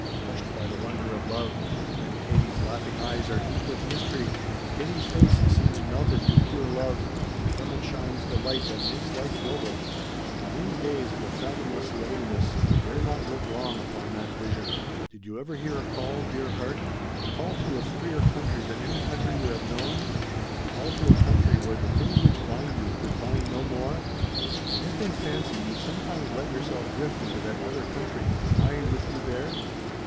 Hushed by the wonder of love. Then Katie's laughing eyes are deep with mystery, Katie's face seems melted to pure love, and from it shines the light that makes life noble. "In these days of a fathomless loneliness I dare not look long upon that vision. "Do you ever hear a call, dear heart? A call to a freer country than any country you have known? Call to a country where the things which bind you could bind no more? And if in fancy you sometimes let yourself drift into that other country, am I with you there?